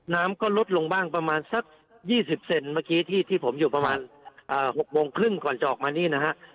น้ำก็ลดลงบ้างประมาณสัก๒๐เซนเมื่อกี้ที่ผมอยู่ประมาณ๖โมงครึ่งก่อนจะออกมานี่นะฮะ